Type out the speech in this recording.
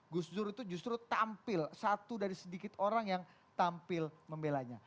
gus dur itu justru tampil satu dari sedikit orang yang tampil membelanya